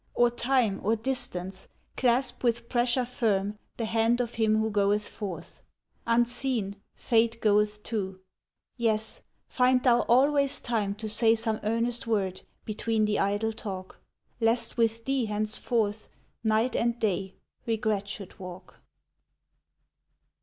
Or time, or distance, clasp with pressure firm The hand of him who goeth forth; Unseen, Fate goeth too. Yes, find thou always time to say some earnest word Between the idle talk, Lest with thee henceforth, Night and day, regret should walk.